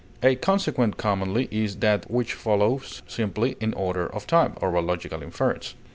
A consequent commonly is that which follows simply in order of time, or by logical inference.